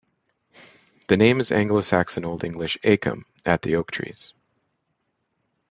The name is Anglo-Saxon Old English "acum", 'at the oak trees'.